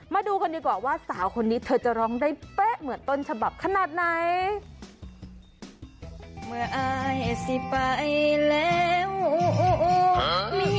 มาดูกันดีกว่าว่าสาวคนนี้เธอจะร้องได้เป๊ะเหมือนต้นฉบับขนาดไหน